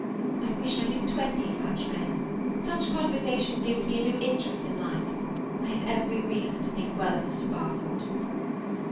I wish I knew twenty such men. Such conversation gives me a new interest in life. I have every reason to think well of Mr. Barfoot."